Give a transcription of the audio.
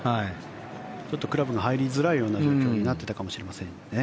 ちょっとクラブが入りづらいところになっていたかもしれないですね。